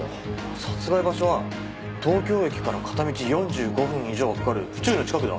殺害場所は東京駅から片道４５分以上はかかる府中の近くだ。